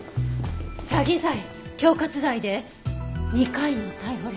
詐欺罪恐喝罪で２回の逮捕歴。